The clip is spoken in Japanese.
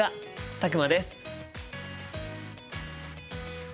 佐久間です。